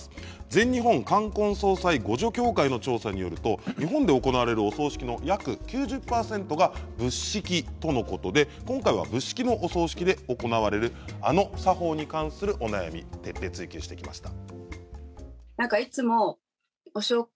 全日本冠婚葬祭互助協会の調査によると日本で行われるお葬式の約９０％が仏式とのことで今回は仏式のお葬式で行われるあの作法に関するお悩みを徹底追及してきました。